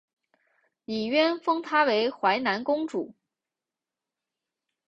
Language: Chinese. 李渊封她为淮南公主。